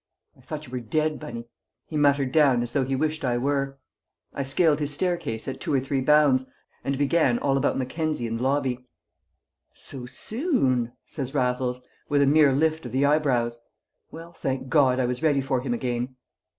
"I thought you were dead, Bunny!" he muttered down as though he wished I were. I scaled his staircase at two or three bounds, and began all about Mackenzie in the lobby. "So soon!" says Raffles, with a mere lift of the eyebrows. "Well, thank God, I was ready for him again."